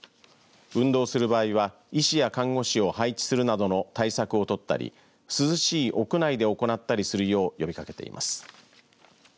運動する場合は医師や看護師を配置するなどの対策を取ったり涼しい屋内で行ったりするよう呼びかけています。